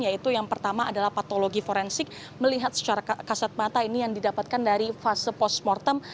yaitu yang pertama adalah patologi forensik melihat secara kasat mata ini yang didapatkan dari fase postmortem